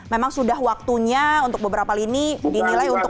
memang sudah waktunya untuk beberapa lini dinilai untuk